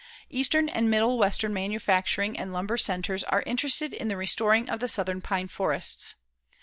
Eastern and middle western manufacturing and lumbering centres are interested in the restoring of the southern pine forests.